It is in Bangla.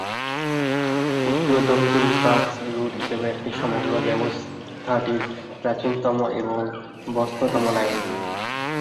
উত্তর-দক্ষিণ ট্রাঙ্ক রুট হিসেবে এটি সমগ্র ব্যবস্থাটির প্রাচীনতম এবং ব্যস্ততম লাইন।